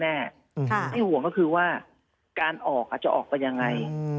ที่ห่วงก็คือว่าการออกอาจจะออกไปยังไง